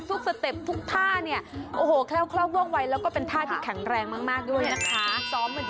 สูบสติปทุกท่าเนี่ยแคล่ววบไว้แล้วก็เป็นท่าที่แข็งแรงมากด้วยนะคะ